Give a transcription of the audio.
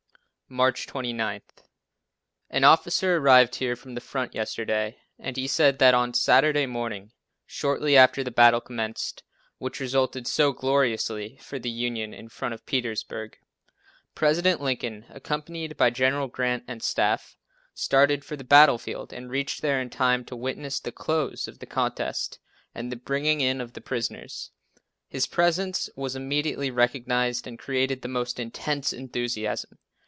March 29. An officer arrived here from the front yesterday and he said that, on Saturday morning, shortly after the battle commenced which resulted so gloriously for the Union in front of Petersburg, President Lincoln, accompanied by General Grant and staff, started for the battlefield, and reached there in time to witness the close of the contest and the bringing in of the prisoners. His presence was immediately recognized and created the most intense enthusiasm.